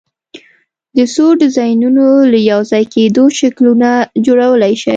د څو ډیزاینونو له یو ځای کېدو شکلونه جوړولی شئ؟